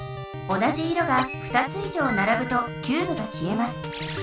同じ色が２つ以上ならぶとキューブがきえます。